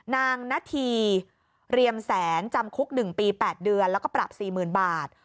นาธีเรียมแสนจำคุก๑ปี๘เดือนแล้วก็ปรับ๔๐๐๐บาท